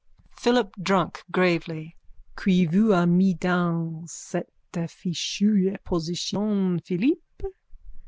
PHILIP DRUNK: _(Gravely.) Qui vous a mis dans cette fichue position, Philippe?